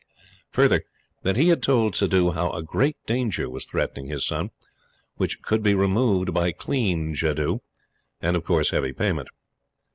Further, that he had told Suddhoo how a great danger was threatening his son, which could be removed by clean jadoo; and, of course, heavy payment.